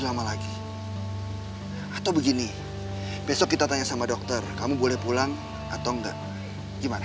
lama lagi atau begini besok kita tanya sama dokter kamu boleh pulang atau enggak gimana